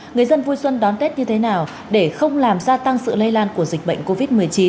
người dân vui xuân đón tết như thế nào để không làm gia tăng sự lây lan của dịch bệnh covid một mươi chín